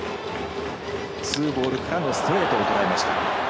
ツーボールからのストレートをとらえました。